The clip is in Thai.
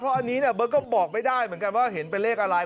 อันนี้เนี่ยเบิร์ตก็บอกไม่ได้เหมือนกันว่าเห็นเป็นเลขอะไร